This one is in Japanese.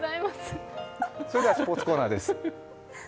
それではスポーツコーナーです。